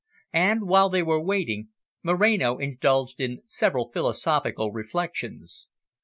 And, while they were waiting, Moreno indulged in several philosophical reflections.